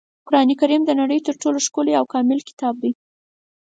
قرانکریم د نړۍ تر ټولو ښکلی او کامل کتاب دی.